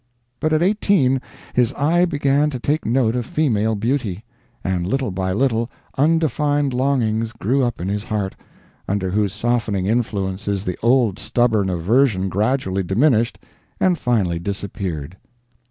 But at eighteen his eye began to take note of female beauty; and little by little, undefined longings grew up in his heart, under whose softening influences the old stubborn aversion gradually diminished, and finally disappeared.